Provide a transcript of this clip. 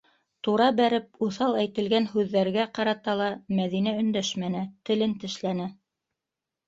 Тура бәреп, уҫал әйтелгән һүҙҙәргә ҡарата ла Мәҙинә өндәшмәне, телен тешләне.